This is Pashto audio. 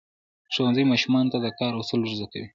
ښوونځی ماشومانو ته د کار اصول ورزده کوي.